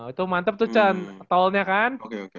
itu mantep tuh tolnya kan